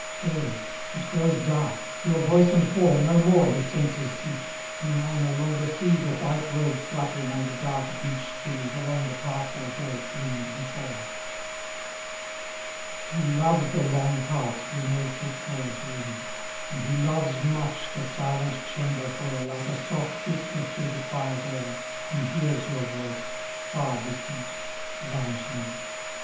Go ! It grows dark — your voice and form no more His senses seek ; he now no longer sees A white robe fluttering under dark beech trees Along the pathway where it gleamed before. He loves the long paths where no footfalls ring. And he loves much the silent chamber where Like a soft whisper through the quiet air He hears your voice, far distant, vanishing.